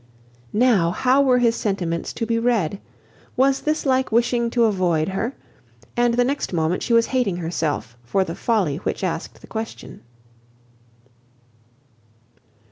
Now, how were his sentiments to be read? Was this like wishing to avoid her? And the next moment she was hating herself for the folly which asked the question.